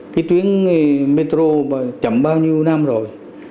cái tuyến metro chậm bao nhiêu năm rồi